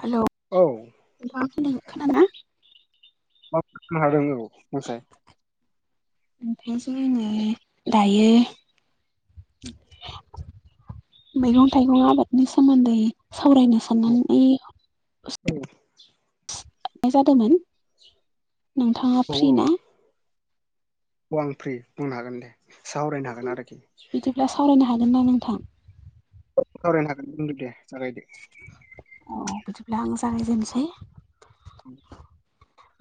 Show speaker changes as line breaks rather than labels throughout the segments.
हेल'
औ
नोंथाङ ख ख ना
अ हाय बसाय
ओमफ्रायाय जो आङो दायो मैगं थाइगं आबादनि सोमोन्दै सावरायनो
औ
साननानै
औ
हाबनाय जादोंमोन नोंथाङा
औ
फ्रि ना
औ आं फ्रि बुंनो हागोन दे सावरायनो हागोन आरोखि
बिदिब्ला सावरायनो हादोंनना नोंथां
खावरायनो हागोन बुंदो दे जागायदो
अ बिदिब्ला आं जागायजेनसै
औ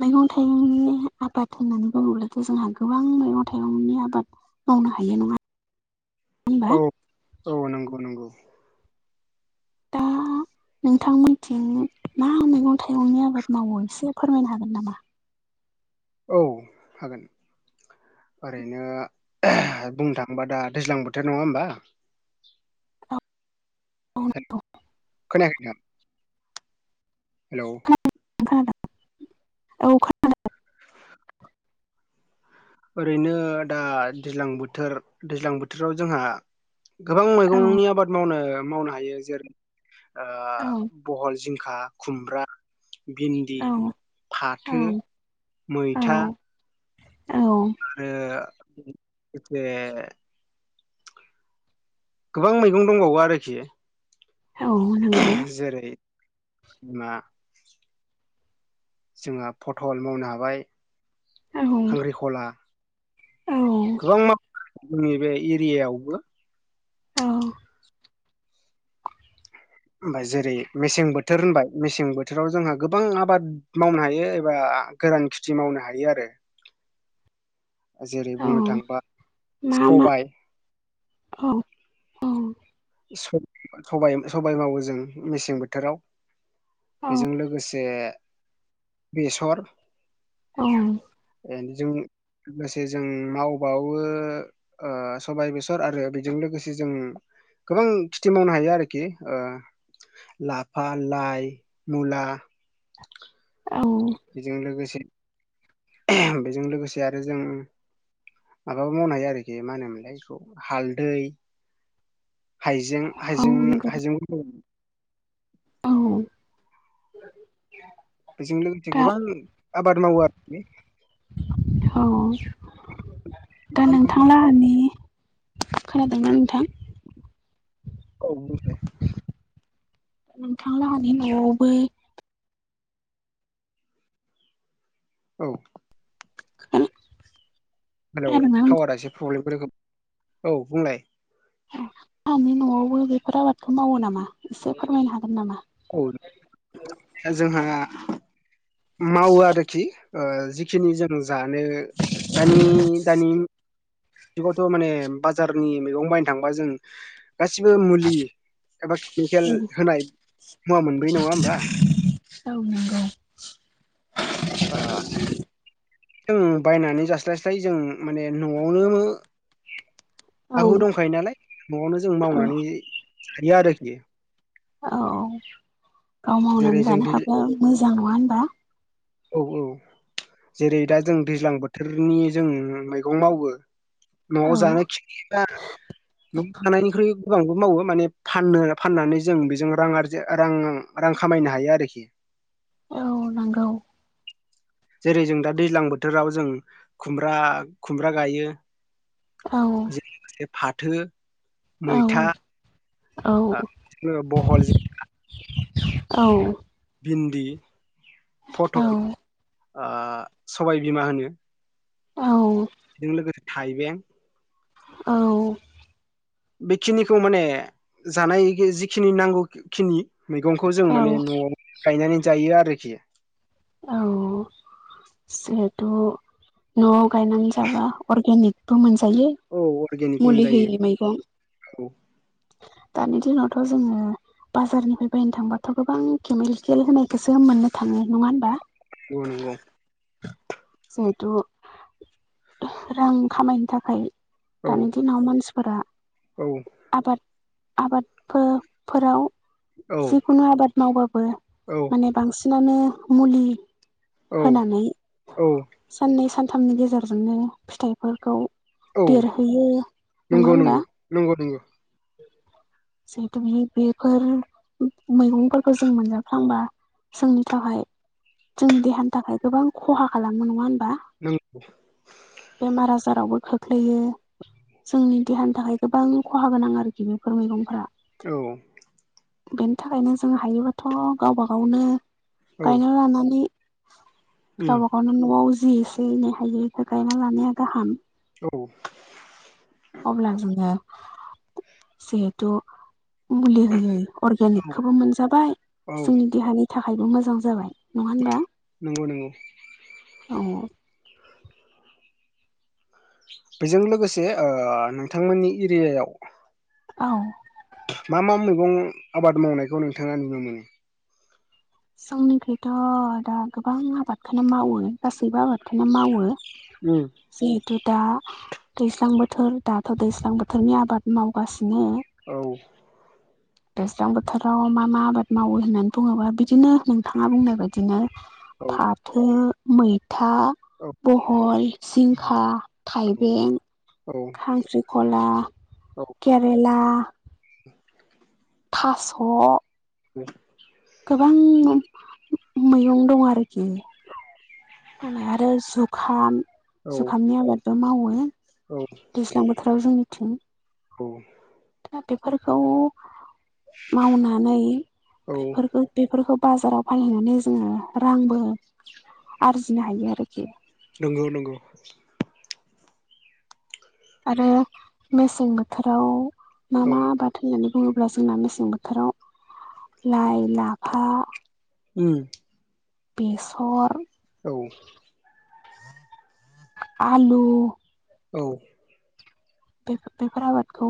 मैगं थाइगंनि आबाद होननानै बुङोब्लाथ' जोंहा गोबां मैगं थाइगंनि आबाद मावनो हायो नङा होनबा
औ औ नंगौ नंगौ [unintelligible]
नोंथां मोनथिं मा मैगं थाइगंनि आबाद मावो एसे फोरमायनो हागोन नामा?
औ हागोन ओरैनो बुंनो थाङोबा दा दैज्लां बोथोर नङा होमबा?
औ औ
खोन खोन हेलौ
खोनादों औ खोना
ओरैनो दा दैज्लां बोथोर दैज्लां बोथोराव जोंहा गोबां मैगंनि आबाद मावनो मावनो हायो जेरै ओ
औ
बहल, जिंखा, खुमब्रा भिन्दि,
औ
फाथो,
औ औ
मैथा
औ
रो‌ एसे गोबां मैगं दंबावो आरोखि
औ नोंगौ
जेरै बिमा जोंहा फटल मावनो हाबाय
औ
खांख्रिखला
औ
गोबां मा जोंनि बे एरियायावबो
औ
ओमफ्राय जेरै मेसें बोथोर होनबाय मेसें बोथोराव जोंहा गोबां आबाद मावनो हायो एबा गोरान खेथि मावनो हायो आरो जेरै
औ
बुंनो थाङोबा
मा मा
सबाय
औ औ
स सबाय सबाय मावो जों मेसें बोथोराव
औ
बेजों लोगोसे बेसर
औ
ए जों लोगोसे जों मावबावो ओ सबाय बेसर आरो बेजों लोगोसे जों गोबां खेथि मावनो हायो आरोखि ओ लाफा, लाइ, मुला
औ
बेजों लोगोसे बेजों लोगोसे आरो जों माबाबो मावनो हायो आरोखि मा होनोमोनलाय बेखौ हालदै हाइजें
औ
हाइजें
नंगौ
हाइजेंफोरखौ
औ
बेजों लोगोसे
दा
गोबां आबाद मावो आरोखि
औ दा
मा मा
नोंथां
मावो
लाहानि खोनादोंना नोंथां?
औ बुंलाय
नोंथांलाहानि न'आवबो
औ
आरो
हेलौ टावारा एसे प्रब्लेम रोखोम औ बुंलाय
सानि न'आवबो बेफोर आबादखौ मावो नामा एसे फोरमायनो हागोन नामा?
औ दा जोंहा मावो आरोखि बेखिनि जों जानो दानि दानि जुगावथ' माने बाजारनि मैगं बायनो थांबा जों गासिबो मुलि एबा केमिकेल होनाय मुवा मोनबोयो नङा होमबा
औ नोंगौ
ओ जों बायनानै जास्लायस्लाय जों माने न'आवनो
औ
हाु दंखायो नालाय न'आवनो जों
औ
मावनानै गैया आरोखि
औ गाव
जेरै
मावनानै
जों दै
जानो हाबा मोजां नङा होनबा
औ औ जेरै दा जों दैज्लां बोथोरनि जों मैगं मावो न'आव
औ
जानो खिबा न'आव जानायनिख्रुइ गोबांबो मावो माने फाननो फाननानै जों बेजों रां आरि र रां खामायनो हायो आरोखि
औ नगौ
जेरै जों दा दैज्लां बोथोराव जों खुमब्रा खुमब्रा गायो
औ
लोगोसे फाथो
औ
मैथा
औ
ओ बहल
औ
भिन्दि फथल ओ सबायबिमा होनो बेजों लोगोसे थाइबें
औ
बेखिनिखौ माने जानाय जिखिनि नांगौखिनि मैगंखौ जों माने न'आव गायनानै जायो आरोखि
औ जहेथ' न'आव गायनानै जाबा अरगेनिक ब मोनजायो
औ अरग
मुलि होयि मैगं दानि दिनावथ' जोङो बाजारनिफ्राय बायनो थांबाथ' गोबां केमिकेल होनायखौसो मोननो थाङो नङा होमबा
ग नंगौ
जिहेथु रां खामायनो थाखाय
औ
दानि दिनाव मानसिफोरा
औ
आबाद-आबाद फो-फोराव
औ
जिखुनु आबाद मावबाबो
औ
माने बांसिनानो मुलि
औ
होनानै
औ
साननै सानथामनि गेजेरजोंनो फिथाइफोरखौ
औ
देरहैयो नङा
नंगौ
होनबा
नंगौ नंगौ नंगौ
जिहेतु बे बेफोर मैगंफोरखौ जों मोनजाफ्लांबा जोंनि थाखाय जोंनि देहानि थाखाय गोबां खहा खालामो नङा होनबा
नोंगौ
बेमार आजारावबो खोख्लैयो जोंनि देहानि थाखाय गोबां खहा गोनां आरोखि बेफोर मैगंफोरा
औ
बेनि थाखायनो जों हायोबाथ' गावबा गावनो
औ
गायना लानानै
उम
गावबा गावनो न'आव जि एसे एनै हायैखौ गायना लानाया गाहाम ।
औ
अब्ला जोङो जिहेथु मुलि होयै
औ
अर्गेनिकखौबो मोनजाबाय
औ
जोंनि देहानि थाखायबो मोजां जाबाय नङा होनबा
नंगौ नंगौ
औ
बेजों लोगोसे ओ नोंथांमोननि एरियायाव
औ
मा मा मैगं आबाद मावनायखौ नोंथाङा नुनो मोनो?
जोंनिओख्रुइथ' दा गोबां आबादखौनो मावो गासैबो आबादखौनो मावो
उम
जिहेथु दा दैज्लां बोथोर दाथ' दैज्लां बोथोरनि आबाद मावगासिनो
औ
दैज्लां बोथोराव मा मा आबाद मावो होननानै बुङोबा बिदिनो नोंथाङा बुंनाय बाय दिनो
औ
फाथो, मैथा
औ
बहल,
औ
जिंखा, थाइबें
औ
खांख्रिख'ला, केरेला थास'
ब [inaudible]
गोबां मैगं दं आरोखि आरो जुखाम
औ
जुखामनि आबादबो मावो
औ
दैज्लां बोथोराव जोंनिथिं
औ
दा बेफोरखौ मावनानै
औ
बेफोरखौ बेफोरखौ बाजाराव फानहैनानै जोङो रांबो आरजिनो हायो आरोखि
नंगौ नंगौ
आरो मेसें बोथोराव मा
औ
मा आबाद होननानै बुङोब्ला जोंना मेसें बोथोराव लाइ, लाफा
उम
बेसर
औ
आलु
औ
बेफो-बेफोर आबादखौ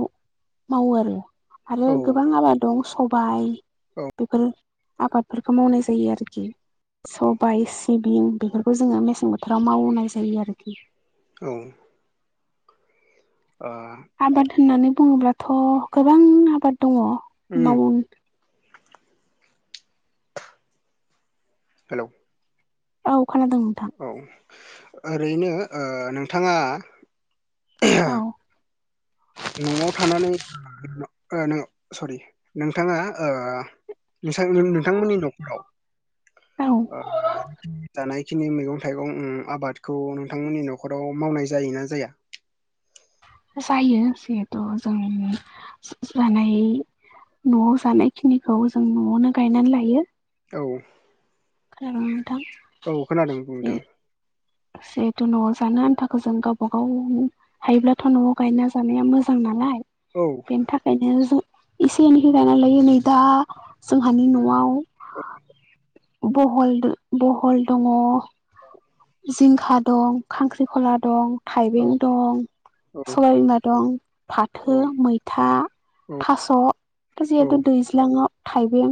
मावो आरो आरो
औ
गोबां आबाद दं सबाइ बेफोर आबादफोरखौ मावनाय जायो आरोखि सबाइ, सिबिं बेफोरखौ जोङो मेसें बोथोराव मावनाय जायो आरोखि
औ आ
आबाद होननानै बुङोब्लाथ' गोबां आबाद दङ
उम
माव
हेलौ
औ खोनादों नोंथां
औ ओरैनो ओ नोंथाङा
औ
न'वाव थानानै ओ नो सरि नोंथाङा ओ नोंथां नोंथांमोननि न'खराव
औ
ओ थानाय खिनि मैगं थाइगं ओम आबादखौ नोंथांमोननि न'खराव मावनाय जायोना जाया?
जायो जिहेथु जों जा-जानाय न'वाव जानाय खिनिखौ जों न'वावनो गायनानै लायो
औ
खोनादों नोंथां
औ खोनादों बुं नोंथां
जिहेथु न'वाव जानो आनथाखौ जों गावबा गाव हायोब्लाथ' न'वाव गायना जानाया मोजां नालाय
औ
बेनि थाखायनो जों एसे एनैहै गायना लायो नै दा जोंहानि न'वाव बहल दो बहल दङ जिंखा दं खांख्रिखला दं
औ
थाइबें दं
औ
सबाइबिमा दं फाथो,
औ
मैथा
औ
थास' दा
औ
जिहेथु दैज्लाङाव थाइबें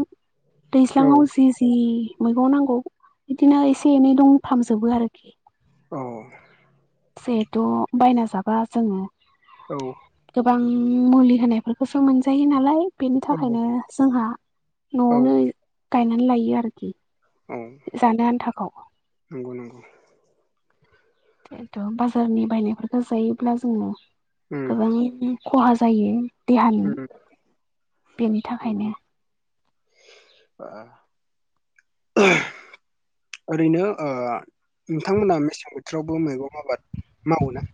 औ
दैज्लाङाव जि जि मैगं नांगौ बिदिनो एसे एनै दंफामजोबो आरोखि
औ
जिहेथु' बायना जाबा जोङो
औ
गोबां मुलि होनायफोरखौसो मोनजायो नालाय बेनि
औ
थाखायनो जोंहा
औ औ
न'वावनो गायनानै लायो आरोखि
औ
जानो आन्थाखौ
नंगौ नंगौ।
जिहेतु बाजारनि बायनायफोरखौ जायोब्ला जोङो
उम
गोबां खहा जायो देहानि बेनि थाखायनो
ओम ओरैनो ओ नोंथांमोना मेसें बोथोरावबो मैगं आबाद मावो ना?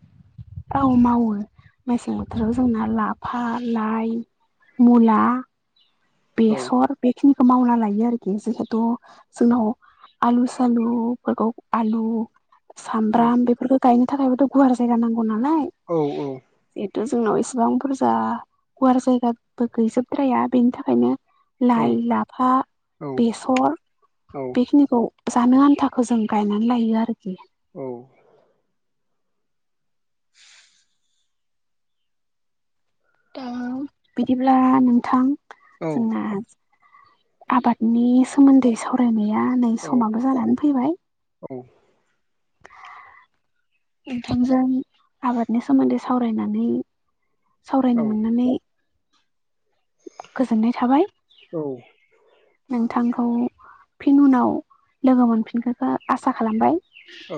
औ मावो मेसें बोथोराव जोंना लाफा लाइ मुला
औ
बेसर बेखिनिखौ मावना लायो आरोखि जिहेथु जोंनाव आलु सालुफोरखौ आलु
औ
सामब्राम बेफोरखौ गायनो थाखायबोथ' गुवार जायगा नांगौ नालाय
औ औ
जिथु जोंनाव इसिबां बुरजा गुवार जायगाबो गैजोबद्राया बेनि थाखाय ओंखायनो
औ
लाइ, लाफा
औ
बेसर
औ
बेखिनिखौ जानो आन्थाखौ जों गायनानै लायो आरो
औ [unintelligible]
दा बिदिब्ला नोंथां
औ
जोंना आबादनि सोमोन्दै सावरायनाया नै
औ
समाबो जानानै फैबाय
औ
ओंखामजों आबादनि सोमोन्दै सावरायनानै
औ
सावरायनो मोननानै गोजोननाय थाबाय
औ
नोंथांखौ फिन उनाव लोगो मोनफिनखोखौ आसा खालामबाय।
औ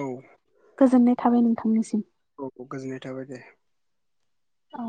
गोजोननाय थाबाय नोंथांनिसिम।
औ गोजोननाय थाबाय दे
औ